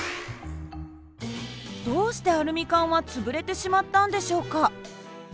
どうしてアルミ缶は潰れてしまったんでしょうか？